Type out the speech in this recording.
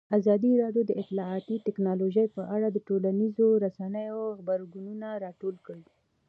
ازادي راډیو د اطلاعاتی تکنالوژي په اړه د ټولنیزو رسنیو غبرګونونه راټول کړي.